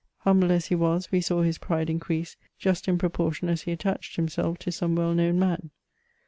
Humble as he was, we saw his pride increase, just in proportion as he attached himself to some well known man.